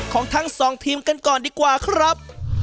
ของทั้งสองทีมกันก่อนดีกว่าครับ